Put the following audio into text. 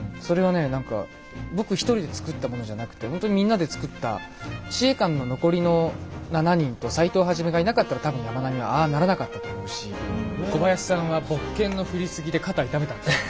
それはね何か僕一人で作ったものじゃなくて本当にみんなで作った試衛館の残りの７人と斎藤一がいなかったら多分山南はああならなかったと思うし小林さんは木剣の振りすぎで肩痛めた。